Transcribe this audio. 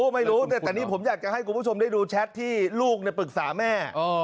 ไม่รู้แต่นี่ผมอยากจะให้คุณผู้ชมได้ดูแชทที่ลูกปรึกษาแม่